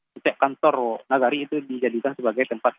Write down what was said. setiap kantor nagari itu dijadikan sebagai tempat